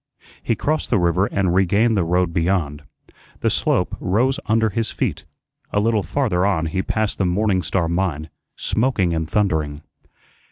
He crossed the river and regained the road beyond. The slope rose under his feet; a little farther on he passed the Morning Star mine, smoking and thundering.